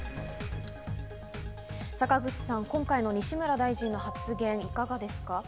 坂口さん、今回の西村大臣の発言いかがですか？